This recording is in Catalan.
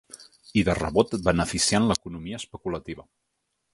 I de rebot beneficiant l’economia especulativa.